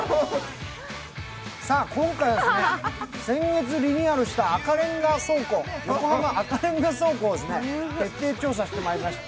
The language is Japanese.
さあ、今回は背先月リニューアルした横浜赤レンガ倉庫を徹底調査してまいりました。